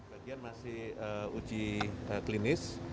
bagian masih uji klinis